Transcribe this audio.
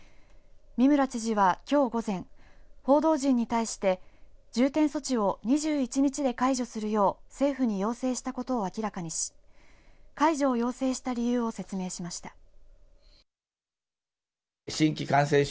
三村知事は、きょう午前報道陣に対して重点措置を２１日で解除するよう政府に要請したことを明らかにし解除を要請した理由を説明しました。